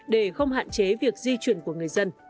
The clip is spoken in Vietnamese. để không hạn chế việc di chuyển của người dân